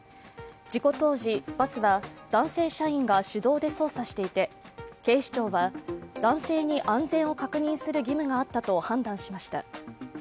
事故当時、バスは男性社員が手動で操作していて警視庁は、男性に安全を確認する義務があったと判断しました。